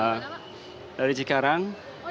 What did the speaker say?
oh dari cikarang